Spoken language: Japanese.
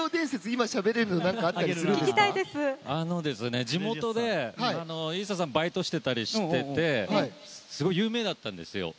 今、しゃべれるの地元でＩＳＳＡさんがバイトしてたりしていてすごく有名だったんです。